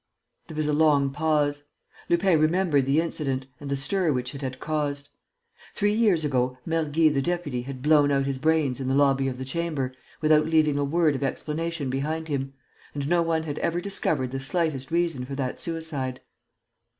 There was a long pause. Lupin remembered the incident and the stir which it had caused. Three years ago, Mergy the deputy had blown out his brains in the lobby of the Chamber, without leaving a word of explanation behind him; and no one had ever discovered the slightest reason for that suicide.